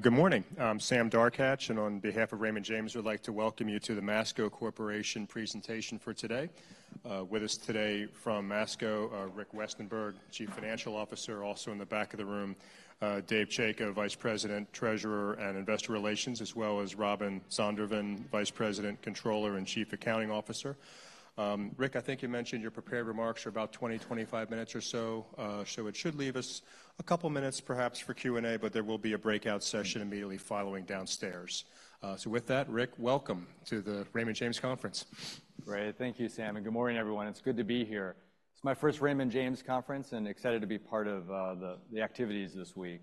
Good morning. I'm Sam Darkatsh, and on behalf of Raymond James, I'd like to welcome you to the Masco Corporation presentation for today. With us today from Masco, Rick Westenberg, Chief Financial Officer, also in the back of the room, Dave Chaika, Vice President, Treasurer and Investor Relations, as well as Robin Zondervan, Vice President, Controller, and Chief Accounting Officer. Rick, I think you mentioned your prepared remarks are about 20, 25 minutes or so, so it should leave us a couple minutes, perhaps, for Q&A, but there will be a breakout session immediately following downstairs. So with that, Rick, welcome to the Raymond James Conference. Great. Thank you, Sam, and good morning, everyone. It's good to be here. It's my first Raymond James Conference, and excited to be part of the activities this week.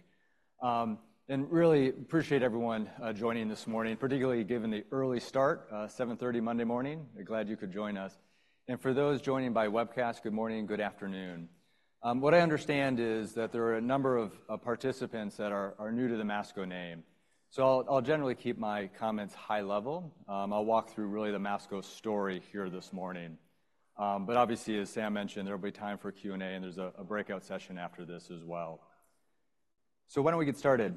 And really, appreciate everyone joining this morning, particularly given the early start, 7:30 A.M. Monday morning. Glad you could join us. And for those joining by webcast, good morning, good afternoon. What I understand is that there are a number of participants that are new to the Masco name. So I'll generally keep my comments high level. I'll walk through really the Masco story here this morning. But obviously, as Sam mentioned, there'll be time for Q&A, and there's a breakout session after this as well. Why don't we get started?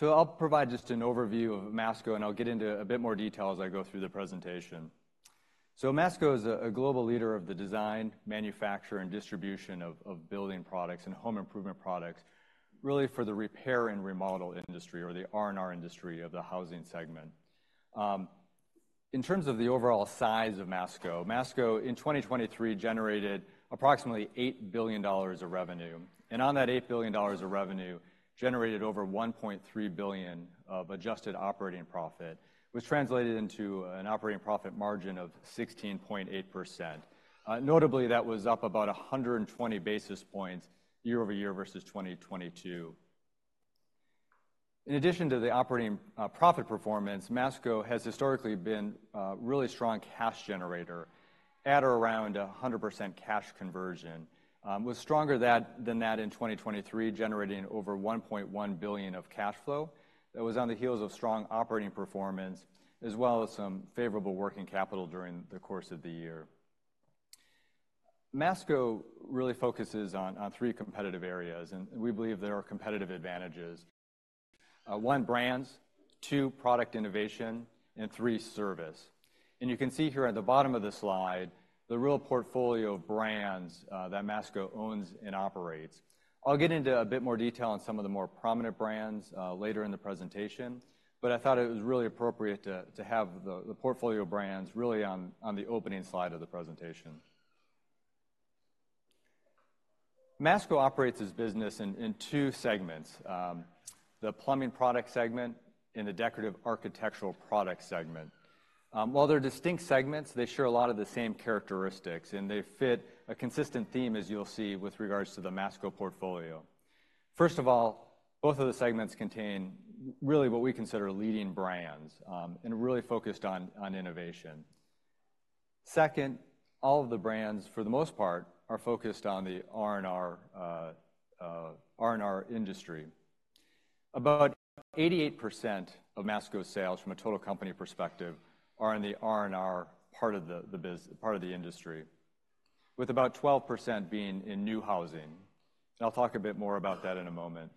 I'll provide just an overview of Masco, and I'll get into a bit more detail as I go through the presentation. So Masco is a global leader of the design, manufacture, and distribution of building products and home improvement products, really for the repair and remodel industry, or the R&R industry of the housing segment. In terms of the overall size of Masco, Masco in 2023 generated approximately $8 billion of revenue. And on that $8 billion of revenue, generated over $1.3 billion of adjusted operating profit, which translated into an operating profit margin of 16.8%. Notably, that was up about 120 basis points year-over-year versus 2022. In addition to the operating profit performance, Masco has historically been a really strong cash generator, at or around 100% cash conversion. It was stronger than that in 2023, generating over $1.1 billion of cash flow. That was on the heels of strong operating performance, as well as some favorable working capital during the course of the year. Masco really focuses on 3 competitive areas, and we believe there are competitive advantages. 1, brands; 2, product innovation; and 3, service. You can see here at the bottom of the slide the real portfolio of brands that Masco owns and operates. I'll get into a bit more detail on some of the more prominent brands later in the presentation, but I thought it was really appropriate to have the portfolio brands really on the opening slide of the presentation. Masco operates its business in 2 segments: the plumbing product segment and the decorative architectural product segment. While they're distinct segments, they share a lot of the same characteristics, and they fit a consistent theme, as you'll see, with regards to the Masco portfolio. First of all, both of the segments contain really what we consider leading brands, and are really focused on innovation. Second, all of the brands, for the most part, are focused on the R&R industry. About 88% of Masco's sales, from a total company perspective, are in the R&R part of the industry, with about 12% being in new housing. I'll talk a bit more about that in a moment.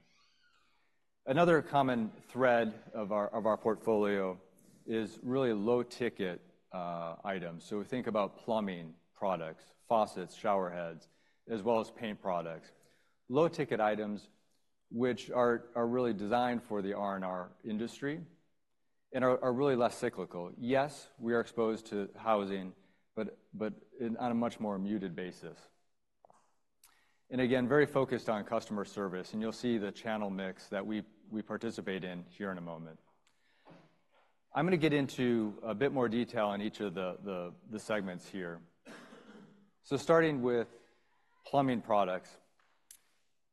Another common thread of our portfolio is really low-ticket items. So think about plumbing products, faucets, showerheads, as well as paint products. Low-ticket items, which are really designed for the R&R industry and are really less cyclical. Yes, we are exposed to housing, but on a much more muted basis. Again, very focused on customer service, and you'll see the channel mix that we participate in here in a moment. I'm going to get into a bit more detail on each of the segments here. So starting with plumbing products,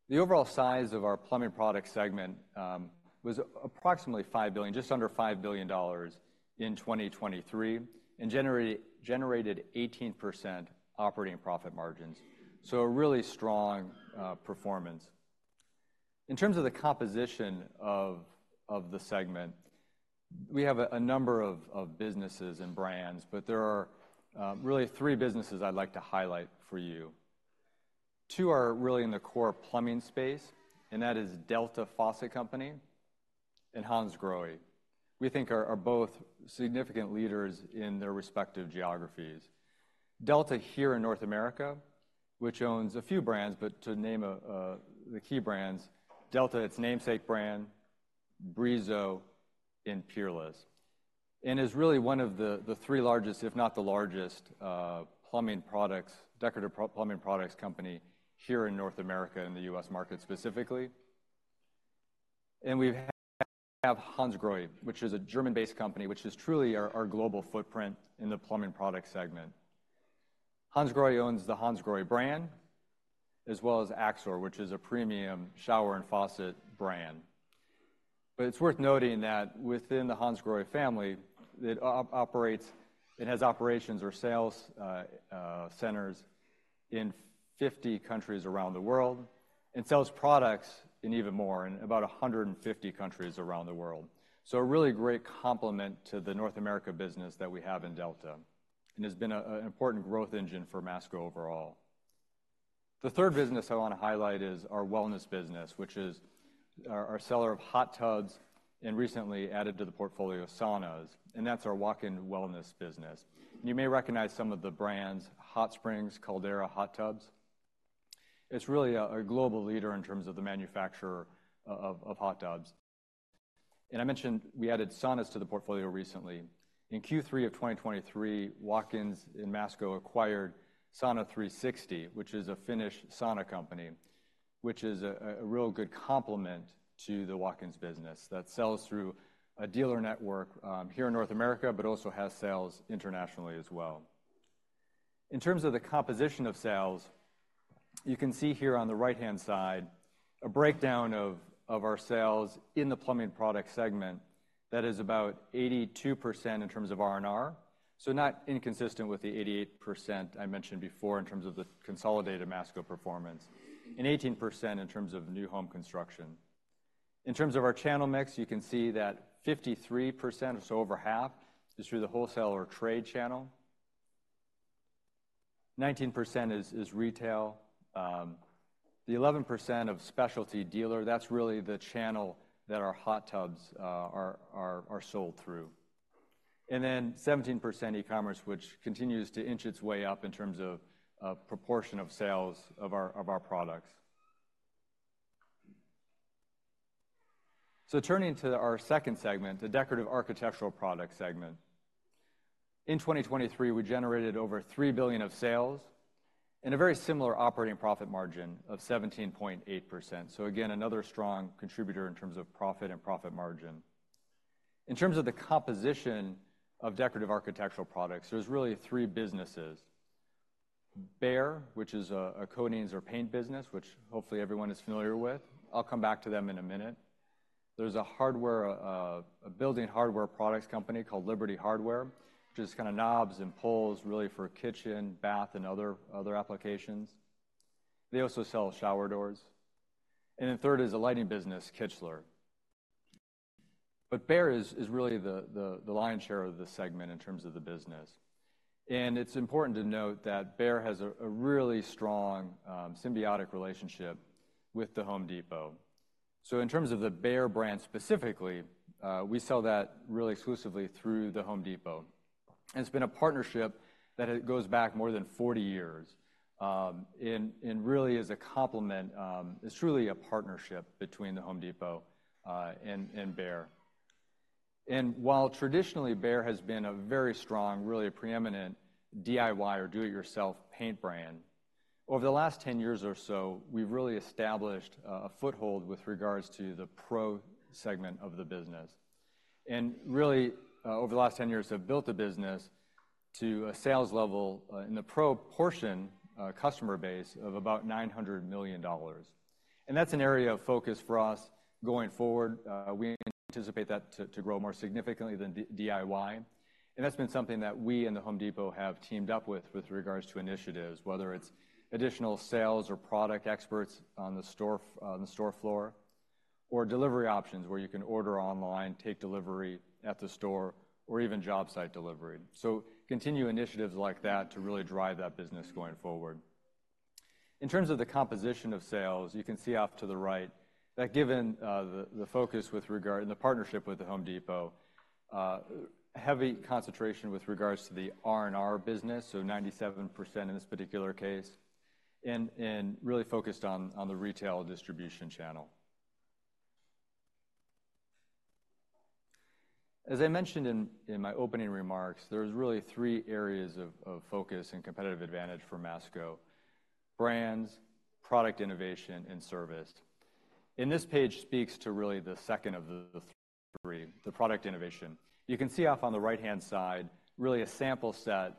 the overall size of our plumbing product segment was approximately $5 billion, just under $5 billion, in 2023, and generated 18% operating profit margins. So a really strong performance. In terms of the composition of the segment, we have a number of businesses and brands, but there are really three businesses I'd like to highlight for you. Two are really in the core plumbing space, and that is Delta Faucet Company and Hansgrohe. We think are both significant leaders in their respective geographies. Delta here in North America, which owns a few brands, but to name the key brands, Delta, its namesake brand, Brizo and Peerless, and is really one of the three largest, if not the largest, plumbing products, decorative plumbing products company here in North America and the U.S. market specifically. We have Hansgrohe, which is a German-based company, which is truly our global footprint in the plumbing product segment. Hansgrohe owns the Hansgrohe brand, as well as Axor, which is a premium shower and faucet brand. But it's worth noting that within the Hansgrohe family, it operates, it has operations or sales centers in 50 countries around the world, and sells products in even more, in about 150 countries around the world. So a really great complement to the North America business that we have in Delta, and has been an important growth engine for Masco overall. The third business I want to highlight is our wellness business, which is our seller of hot tubs and, recently added to the portfolio, saunas, and that's our Watkins Wellness business. You may recognize some of the brands: Hot Spring, Caldera Spas. It's really a global leader in terms of the manufacturer of hot tubs. I mentioned we added saunas to the portfolio recently. In Q3 of 2023, Watkins in Masco acquired Sauna360, which is a Finnish sauna company, which is a real good complement to the Watkins business that sells through a dealer network here in North America, but also has sales internationally as well. In terms of the composition of sales, you can see here on the right-hand side a breakdown of our sales in the plumbing product segment that is about 82% in terms of R&R, so not inconsistent with the 88% I mentioned before in terms of the consolidated Masco performance, and 18% in terms of new home construction. In terms of our channel mix, you can see that 53%, or so over half, is through the wholesale or trade channel. 19% is retail. The 11% of specialty dealer, that's really the channel that our hot tubs are sold through. Then 17% e-commerce, which continues to inch its way up in terms of proportion of sales of our products. Turning to our second segment, the decorative architectural product segment. In 2023, we generated over $3 billion of sales and a very similar operating profit margin of 17.8%. Again, another strong contributor in terms of profit and profit margin. In terms of the composition of decorative architectural products, there's really three businesses: BEHR, which is a coatings or paint business, which hopefully everyone is familiar with. I'll come back to them in a minute. There's a building hardware products company called Liberty Hardware, which is kind of knobs and pulls, really, for kitchen, bath, and other applications. They also sell shower doors. And then third is a lighting business, Kichler. But BEHR is really the lion's share of this segment in terms of the business. And it's important to note that BEHR has a really strong symbiotic relationship with the Home Depot. So in terms of the BEHR brand specifically, we sell that really exclusively through the Home Depot. And it's been a partnership that goes back more than 40 years, and really is a complement, is truly a partnership between the Home Depot and BEHR. And while traditionally BEHR has been a very strong, really a preeminent DIY or do-it-yourself paint brand, over the last 10 years or so, we've really established a foothold with regards to the pro segment of the business. And really, over the last 10 years, have built the business to a sales level in the pro portion customer base of about $900 million. And that's an area of focus for us going forward. We anticipate that to grow more significantly than DIY. That's been something that we and The Home Depot have teamed up with regards to initiatives, whether it's additional sales or product experts on the store floor, or delivery options where you can order online, take delivery at the store, or even job site delivery. Continue initiatives like that to really drive that business going forward. In terms of the composition of sales, you can see off to the right that given the focus with regard and the partnership with The Home Depot, heavy concentration with regards to the R&R business, so 97% in this particular case, and really focused on the retail distribution channel. As I mentioned in my opening remarks, there's really three areas of focus and competitive advantage for Masco: brands, product innovation, and service. This page speaks to really the second of the three, the product innovation. You can see off on the right-hand side really a sample set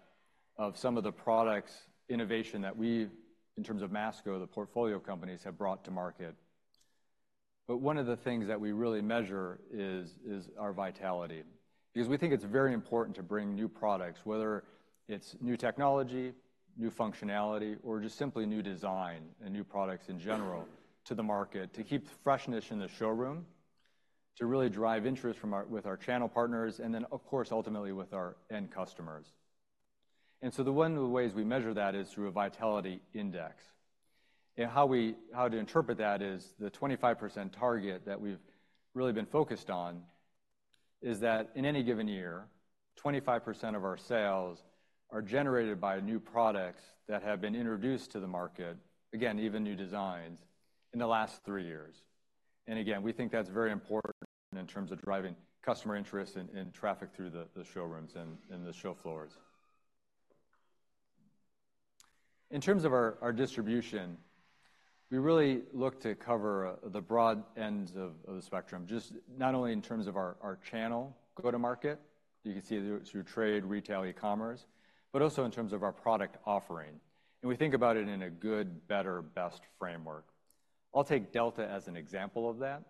of some of the products innovation that we, in terms of Masco, the portfolio companies, have brought to market. But one of the things that we really measure is our vitality. Because we think it's very important to bring new products, whether it's new technology, new functionality, or just simply new design and new products in general, to the market to keep freshness in the showroom, to really drive interest with our channel partners, and then, of course, ultimately with our end customers. And so the one of the ways we measure that is through a Vitality Index. How to interpret that is the 25% target that we've really been focused on is that in any given year, 25% of our sales are generated by new products that have been introduced to the market, again, even new designs, in the last three years. Again, we think that's very important in terms of driving customer interest and traffic through the showrooms and the show floors. In terms of our distribution, we really look to cover the broad ends of the spectrum, just not only in terms of our channel go-to-market, you can see through trade, retail, e-commerce, but also in terms of our product offering. We think about it in a good, better, best framework. I'll take Delta as an example of that.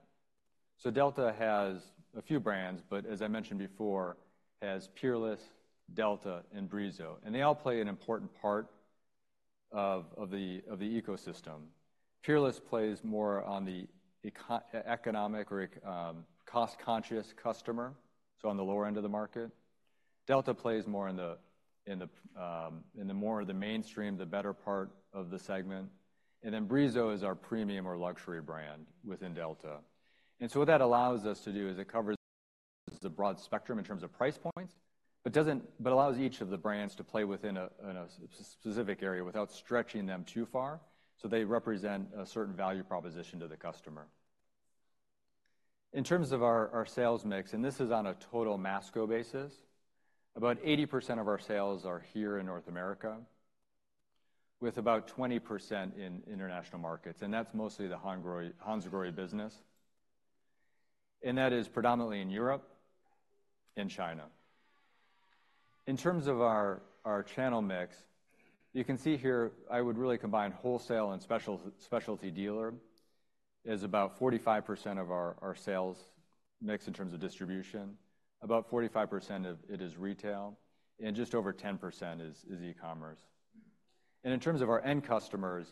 So Delta has a few brands, but as I mentioned before, has Peerless, Delta, and Brizo. They all play an important part of the ecosystem. Peerless plays more on the economic or cost-conscious customer, so on the lower end of the market. Delta plays more in the more of the mainstream, the better part of the segment. Then Brizo is our premium or luxury brand within Delta. So what that allows us to do is it covers the broad spectrum in terms of price points, but allows each of the brands to play within a specific area without stretching them too far, so they represent a certain value proposition to the customer. In terms of our sales mix, and this is on a total Masco basis, about 80% of our sales are here in North America, with about 20% in international markets. That's mostly the Hansgrohe business. That is predominantly in Europe and China. In terms of our channel mix, you can see here I would really combine wholesale and specialty dealer as about 45% of our sales mix in terms of distribution. About 45% of it is retail, and just over 10% is e-commerce. In terms of our end customers,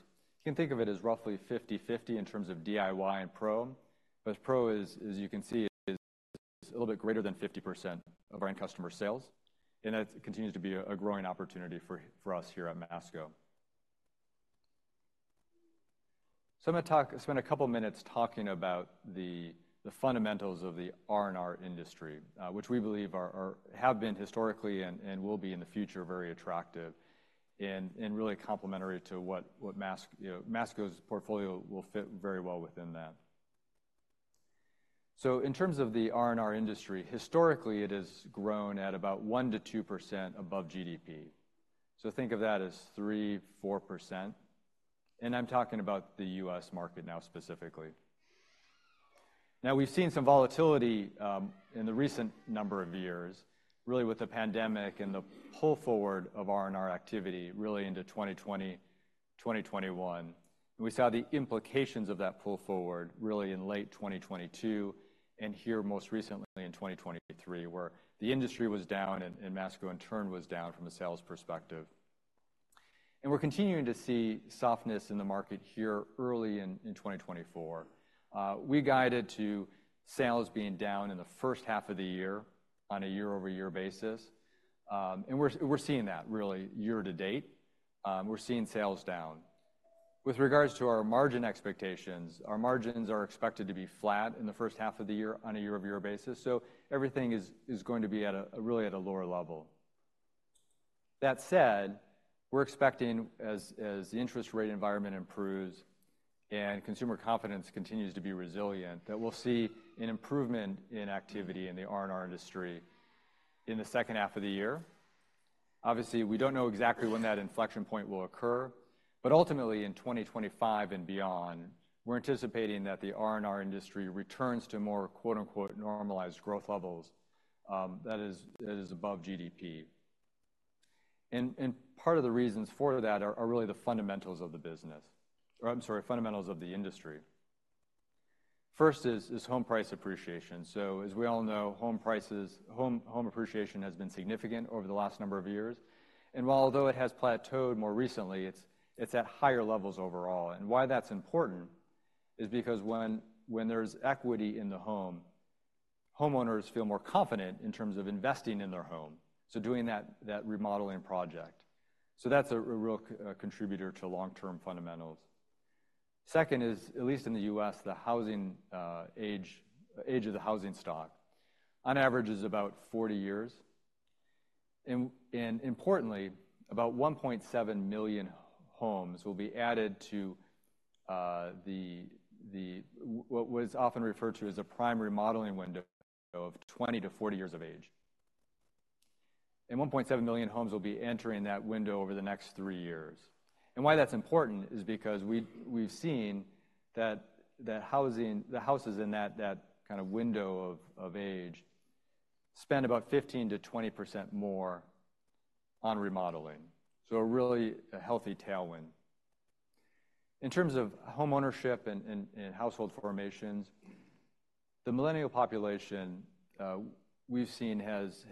you can think of it as roughly 50/50 in terms of DIY and pro, but pro, as you can see, is a little bit greater than 50% of our end customer sales. That continues to be a growing opportunity for us here at Masco. I'm going to spend a couple of minutes talking about the fundamentals of the R&R industry, which we believe have been historically and will be in the future very attractive and really complementary to what Masco's portfolio will fit very well within that. So in terms of the R&R industry, historically it has grown at about 1%-2% above GDP. So think of that as 3%-4%. And I'm talking about the U.S. market now specifically. Now, we've seen some volatility in the recent number of years, really with the pandemic and the pull forward of R&R activity really into 2020, 2021. And we saw the implications of that pull forward really in late 2022 and here most recently in 2023, where the industry was down and Masco, in turn, was down from a sales perspective. And we're continuing to see softness in the market here early in 2024. We guided to sales being down in the first half of the year on a year-over-year basis. And we're seeing that really year-to-date. We're seeing sales down. With regards to our margin expectations, our margins are expected to be flat in the first half of the year on a year-over-year basis. So everything is going to be really at a lower level. That said, we're expecting, as the interest rate environment improves and consumer confidence continues to be resilient, that we'll see an improvement in activity in the R&R industry in the second half of the year. Obviously, we don't know exactly when that inflection point will occur. But ultimately, in 2025 and beyond, we're anticipating that the R&R industry returns to more "normalized" growth levels that is above GDP. And part of the reasons for that are really the fundamentals of the business, or I'm sorry, fundamentals of the industry. First is home price appreciation. So as we all know, home appreciation has been significant over the last number of years. Although it has plateaued more recently, it's at higher levels overall. Why that's important is because when there's equity in the home, homeowners feel more confident in terms of investing in their home, so doing that remodeling project. So that's a real contributor to long-term fundamentals. Second is, at least in the U.S., the age of the housing stock. On average, it's about 40 years. Importantly, about 1.7 million homes will be added to what was often referred to as a prime remodeling window of 20-40 years of age. 1.7 million homes will be entering that window over the next three years. Why that's important is because we've seen that the houses in that kind of window of age spend about 15%-20% more on remodeling. So really a healthy tailwind. In terms of homeownership and household formations, the millennial population we've seen has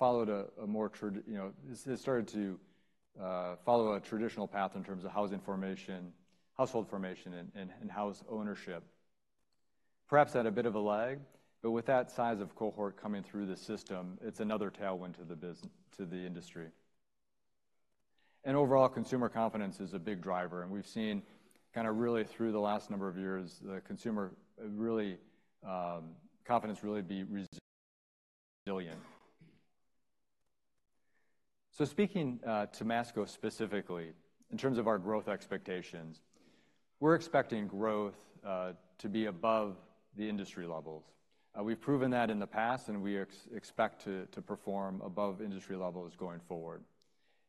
followed a more, it's started to follow a traditional path in terms of housing formation, household formation, and house ownership. Perhaps at a bit of a lag, but with that size of cohort coming through the system, it's another tailwind to the industry. Overall, consumer confidence is a big driver. We've seen kind of really through the last number of years, consumer confidence really be resilient. Speaking to Masco specifically, in terms of our growth expectations, we're expecting growth to be above the industry levels. We've proven that in the past, and we expect to perform above industry levels going forward.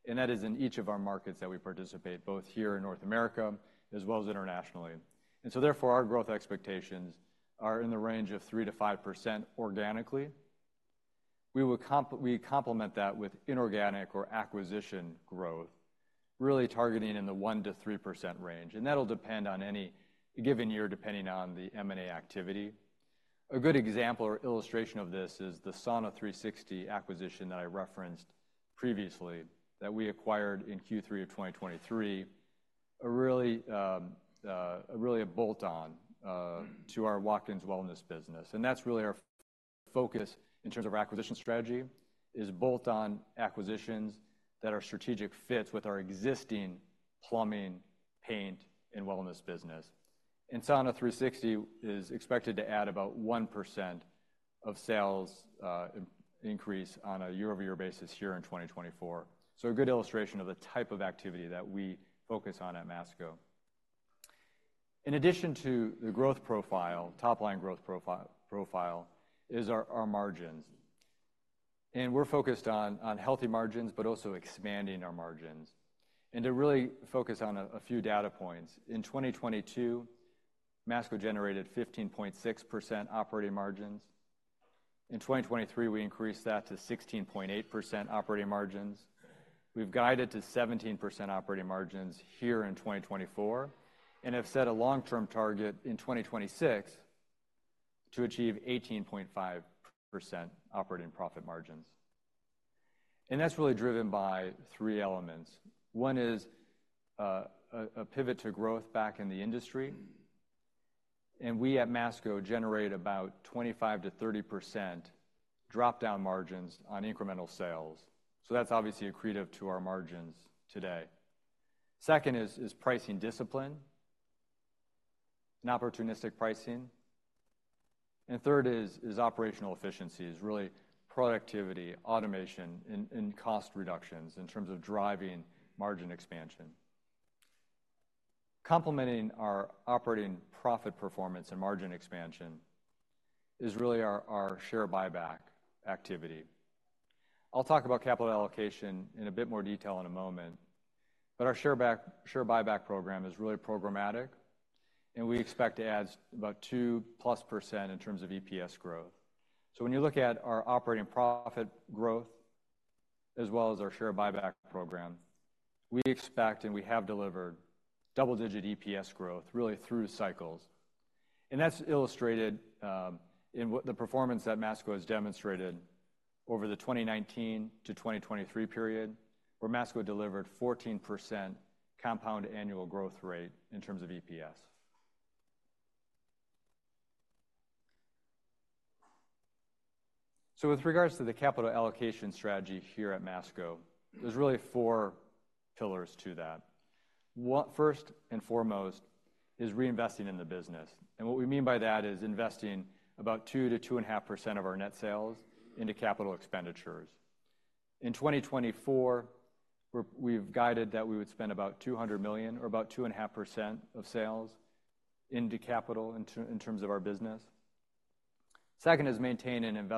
That is in each of our markets that we participate, both here in North America as well as internationally. And so therefore, our growth expectations are in the range of 3%-5% organically. We complement that with inorganic or acquisition growth, really targeting in the 1%-3% range. And that'll depend on any given year, depending on the M&A activity. A good example or illustration of this is the Sauna360 acquisition that I referenced previously that we acquired in Q3 of 2023, really a bolt-on to our Watkins Wellness business. And that's really our focus in terms of our acquisition strategy, is bolt-on acquisitions that are strategic fits with our existing plumbing, paint, and wellness business. And Sauna360 is expected to add about 1% of sales increase on a year-over-year basis here in 2024. So a good illustration of the type of activity that we focus on at Masco. In addition to the growth profile, top-line growth profile, is our margins. We're focused on healthy margins but also expanding our margins. To really focus on a few data points, in 2022, Masco generated 15.6% operating margins. In 2023, we increased that to 16.8% operating margins. We've guided to 17% operating margins here in 2024 and have set a long-term target in 2026 to achieve 18.5% operating profit margins. That's really driven by three elements. One is a pivot to growth back in the industry. We at Masco generate about 25%-30% Drop-down Margins on incremental sales. So that's obviously accretive to our margins today. Second is pricing discipline and opportunistic pricing. Third is operational efficiencies, really productivity, automation, and cost reductions in terms of driving margin expansion. Complementing our operating profit performance and margin expansion is really our share buyback activity. I'll talk about capital allocation in a bit more detail in a moment. But our share buyback program is really programmatic, and we expect to add about 2%+ in terms of EPS growth. So when you look at our operating profit growth as well as our share buyback program, we expect and we have delivered double-digit EPS growth really through cycles. And that's illustrated in the performance that Masco has demonstrated over the 2019-2023 period, where Masco delivered 14% compound annual growth rate in terms of EPS. So with regards to the capital allocation strategy here at Masco, there's really four pillars to that. First and foremost is reinvesting in the business. And what we mean by that is investing about 2%-2.5% of our net sales into capital expenditures. In 2024, we've guided that we would spend about $200 million or about 2.5% of sales into capital in terms of our business. Second is maintaining an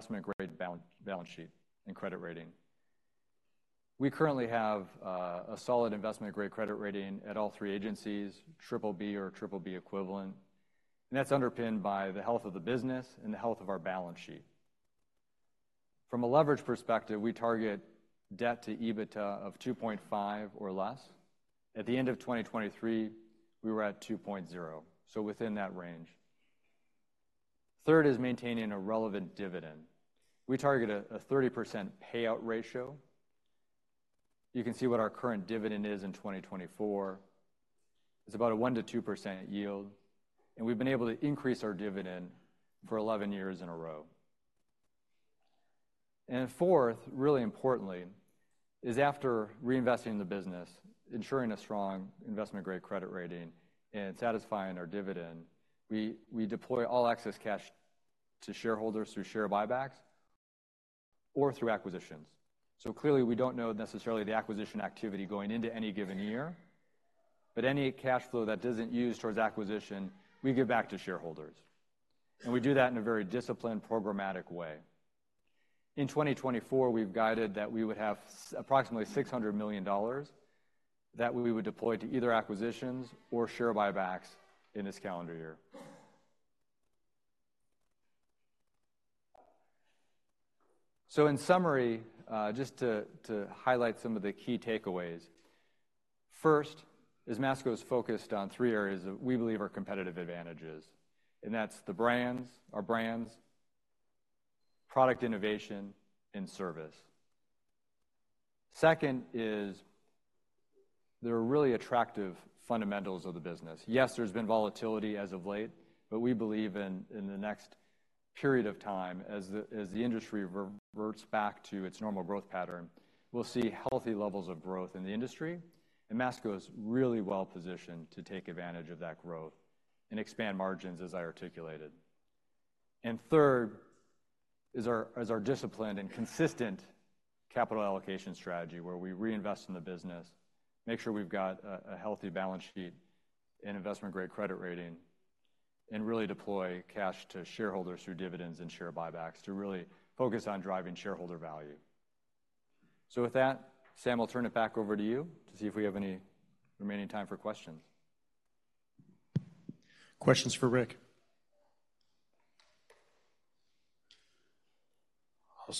Investment-Grade balance sheet and credit rating. We currently have a solid Investment-Grade credit rating at all three agencies, BBB or BBB equivalent. That's underpinned by the health of the business and the health of our balance sheet. From a leverage perspective, we target debt to EBITDA of 2.5 or less. At the end of 2023, we were at 2.0, so within that range. Third is maintaining a relevant dividend. We target a 30% payout ratio. You can see what our current dividend is in 2024. It's about a 1%-2% yield. We've been able to increase our dividend for 11 years in a row. Fourth, really importantly, is after reinvesting in the business, ensuring a strong Investment-Grade credit rating and satisfying our dividend, we deploy all excess cash to shareholders through share buybacks or through acquisitions. So clearly, we don't know necessarily the acquisition activity going into any given year. But any cash flow that isn't used towards acquisition, we give back to shareholders. And we do that in a very disciplined, programmatic way. In 2024, we've guided that we would have approximately $600 million that we would deploy to either acquisitions or share buybacks in this calendar year. So in summary, just to highlight some of the key takeaways, first is Masco's focused on three areas that we believe are competitive advantages. And that's the brands, our brands, product innovation, and service. Second is there are really attractive fundamentals of the business. Yes, there's been volatility as of late. But we believe in the next period of time, as the industry reverts back to its normal growth pattern, we'll see healthy levels of growth in the industry. Masco is really well positioned to take advantage of that growth and expand margins, as I articulated. And third is our disciplined and consistent capital allocation strategy, where we reinvest in the business, make sure we've got a healthy balance sheet and investment-grade credit rating, and really deploy cash to shareholders through dividends and share buybacks to really focus on driving shareholder value. So with that, Sam, I'll turn it back over to you to see if we have any remaining time for questions. Questions for Rick?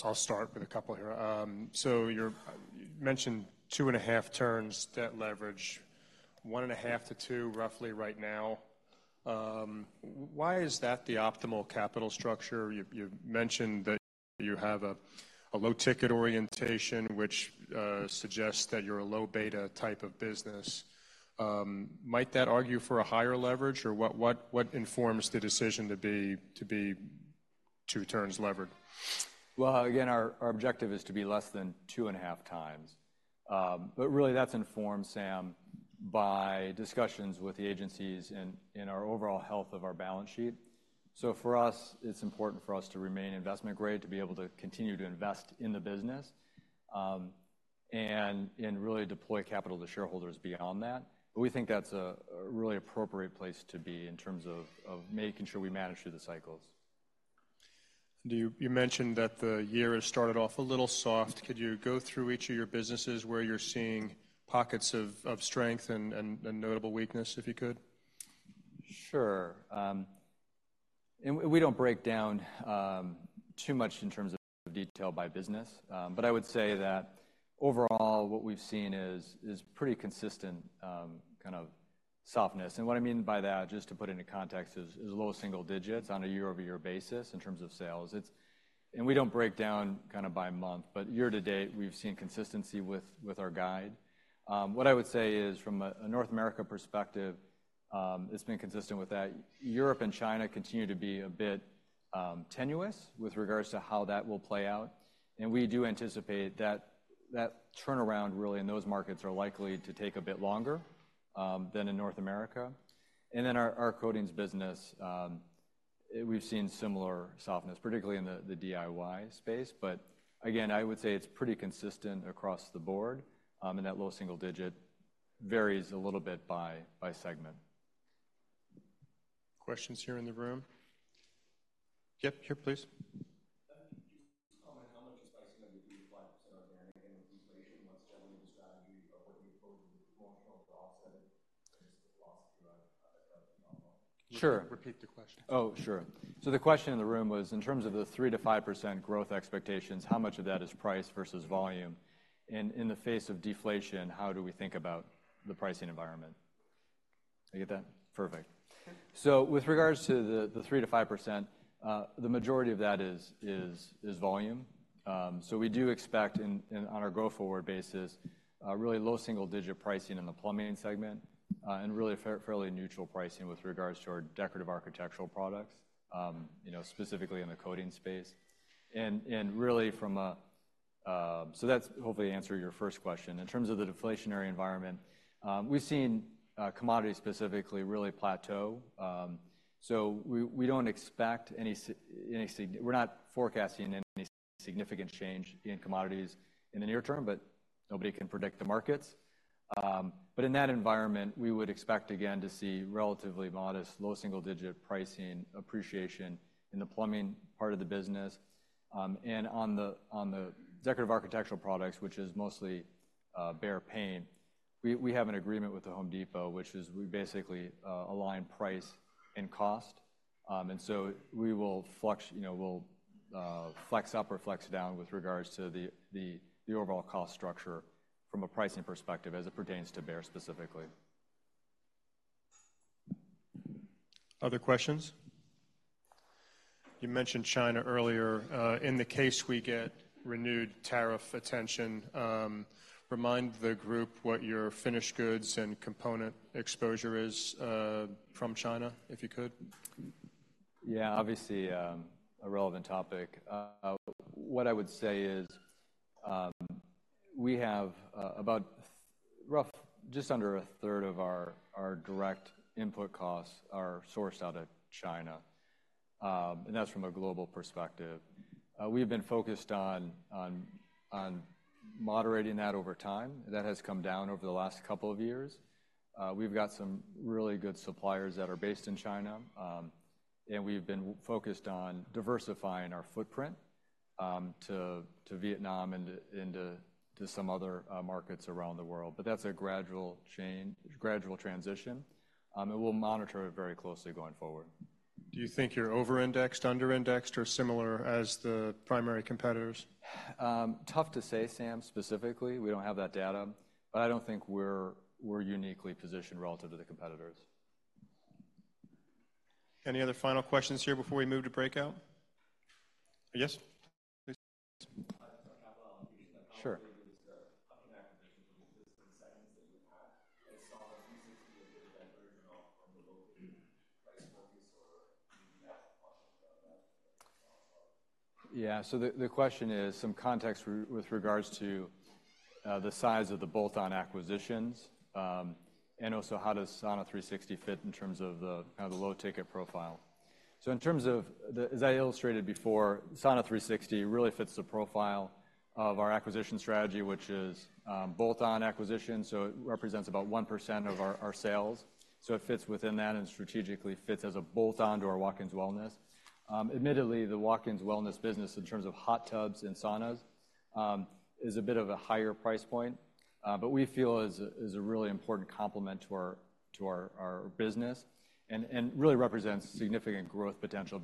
I'll start with a couple here. So you mentioned 2.5 turns debt leverage, 1.5-2 roughly right now. Why is that the optimal capital structure? You mentioned that you have a low-ticket orientation, which suggests that you're a low-beta type of business. Might that argue for a higher leverage, or what informs the decision to be 2 turns levered? Well, again, our objective is to be less than 2.5x. But really, that's informed, Sam, by discussions with the agencies and our overall health of our balance sheet. So for us, it's important for us to remain investment-grade, to be able to continue to invest in the business, and really deploy capital to shareholders beyond that. But we think that's a really appropriate place to be in terms of making sure we manage through the cycles. You mentioned that the year has started off a little soft. Could you go through each of your businesses where you're seeing pockets of strength and notable weakness, if you could? Sure. We don't break down too much in terms of detail by business. I would say that overall, what we've seen is pretty consistent kind of softness. What I mean by that, just to put it into context, is low single digits on a year-over-year basis in terms of sales. We don't break down kind of by month. Year to date, we've seen consistency with our guide. What I would say is, from a North America perspective, it's been consistent with that. Europe and China continue to be a bit tenuous with regards to how that will play out. We do anticipate that turnaround really in those markets are likely to take a bit longer than in North America. Then our coatings business, we've seen similar softness, particularly in the DIY space. Again, I would say it's pretty consistent across the board. That low single digit varies a little bit by segment. Questions here in the room? Yep, here, please. Can you comment on how much is pricing of the 2%-5% organic and deflation? What's generally the strategy of what you're supposed to do to offset it? Is this the philosophy of the company? Sure. Repeat the question. Oh, sure. So the question in the room was, in terms of the 3%-5% growth expectations, how much of that is price versus volume? And in the face of deflation, how do we think about the pricing environment? I get that. Perfect. So with regards to the 3%-5%, the majority of that is volume. So we do expect, on our growth-forward basis, really low single digit pricing in the plumbing segment and really fairly neutral pricing with regards to our decorative architectural products, specifically in the coating space. And really, from a so that's hopefully answer your first question. In terms of the deflationary environment, we've seen commodities specifically really plateau. So we don't expect, we're not forecasting any significant change in commodities in the near term, but nobody can predict the markets. In that environment, we would expect, again, to see relatively modest low single digit pricing appreciation in the plumbing part of the business. On the decorative architectural products, which is mostly BEHR paint, we have an agreement with The Home Depot, which is we basically align price and cost. So we will flex up or flex down with regards to the overall cost structure from a pricing perspective as it pertains to BEHR specifically. Other questions? You mentioned China earlier. In the case we get renewed tariff attention, remind the group what your finished goods and component exposure is from China, if you could. Yeah, obviously a relevant topic. What I would say is we have about roughly just under a third of our direct input costs are sourced out of China. And that's from a global perspective. We've been focused on moderating that over time. That has come down over the last couple of years. We've got some really good suppliers that are based in China. And we've been focused on diversifying our footprint to Vietnam and to some other markets around the world. But that's a gradual transition. And we'll monitor it very closely going forward. Do you think you're over-indexed, under-indexed, or similar as the primary competitors? Tough to say, Sam, specifically. We don't have that data. But I don't think we're uniquely positioned relative to the competitors. Any other final questions here before we move to breakout? Yes? Please. Sure. Yeah. So the question is some context with regards to the size of the bolt-on acquisitions and also how does Sauna360 fit in terms of the kind of the low-ticket profile. So in terms of as I illustrated before, Sauna360 really fits the profile of our acquisition strategy, which is bolt-on acquisitions. So it represents about 1% of our sales. So it fits within that and strategically fits as a bolt-on to our Watkins Wellness. Admittedly, the Watkins Wellness business in terms of hot tubs and saunas is a bit of a higher price point. But we feel it is a really important complement to our business and really represents significant growth potential.